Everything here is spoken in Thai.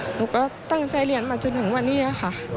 หนูก็ตั้งใจเรียนมาจนถึงวันนี้ค่ะ